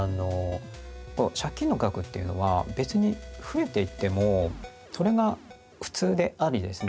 借金の額っていうのは別に増えていってもそれが普通でありですね